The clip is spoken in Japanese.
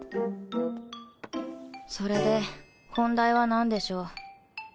それで本題は何でしょう？